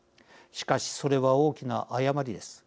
しかしそれは大きな誤りです。